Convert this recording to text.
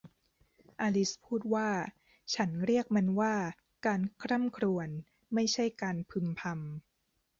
อลิซพูดว่า ฉันเรียกมันว่า การคร่ำครวญ ไม่ใช่การพึมพำ